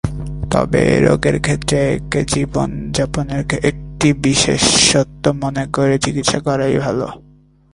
তবে এ রোগের ক্ষেত্রে একে জীবনযাপনের একটি বিশেষত্ব মনে করে চিকিৎসা করাই ভাল।